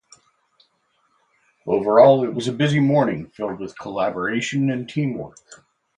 Overall, it was a busy morning filled with collaboration and teamwork.